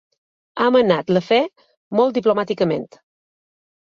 Ha menat l'afer molt diplomàticament.